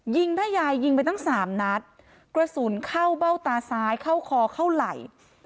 ยิงแม่ยายยิงไปตั้งสามนัดกระสุนเข้าเบ้าตาซ้ายเข้าคอเข้าไหล่